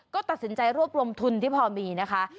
ก็ตัดสินใจรวบรวมทุนที่พอมีนะคะ